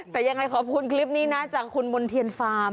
แต่ยังไงขอบคุณคลิปนี้นะจากคุณมณ์เทียนฟาร์ม